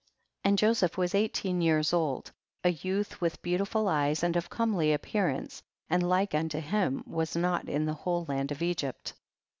14. And Joseph was eighteen years old, a youth with beautiful eyes and of comely appearance, and like unto him was not in the whole land of Eirypl.